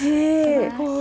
すごい。